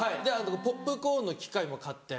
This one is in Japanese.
ポップコーンの機械も買って。